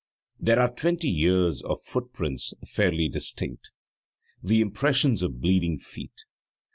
There are twenty years of footprints fairly distinct, the impressions of bleeding feet.